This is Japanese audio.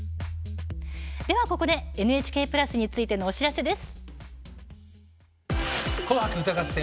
では、ＮＨＫプラスについてのお知らせです。